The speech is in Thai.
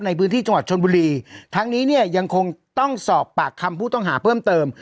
ในพื้นที่จังหวัดชนบุรีทั้งนี้เนี่ยยังคงต้องสอบปากคำผู้ต้องหาเพิ่มเติม